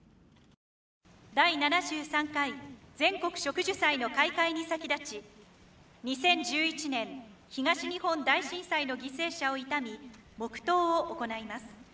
第７３回全国植樹祭の開会に先立ち２０１１年東日本大震災の犠牲者を悼み黙とうを行います。